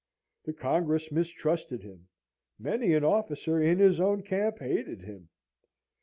The Congress mistrusted him. Many an officer in his own camp hated him.